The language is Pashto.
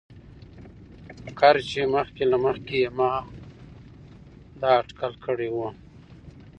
ګر چې مخکې له مخکې يې ما دا اتکل کړى وو.